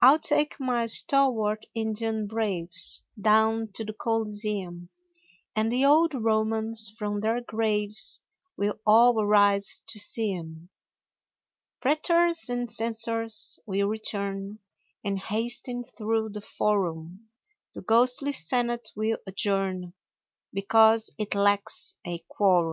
I'll take my stalwart Indian braves Down to the Coliseum, And the old Romans from their graves Will all arise to see 'em; Pretors and censors will return And hasten through the Forum, The ghostly Senate will adjourn Because it lacks a quorum.